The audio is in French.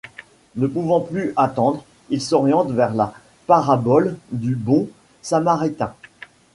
Ne pouvant plus attendre, il s'oriente vers la parabole du Bon Samaritain.